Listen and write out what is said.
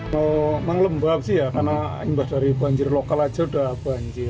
memang lembab sih ya karena imbas dari banjir lokal aja udah banjir